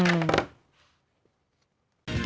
อืม